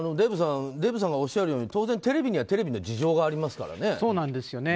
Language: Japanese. デーブさんがおっしゃるように当然テレビにはテレビの事情がありますからね。